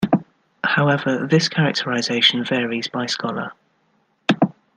However, this categorization varies by scholar.